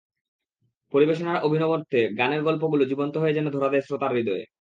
পরিবেশনার অভিনবত্বে গানের গল্পগুলো জীবন্ত হয়ে যেন ধরা দেয় শ্রোতার হৃদয়ে।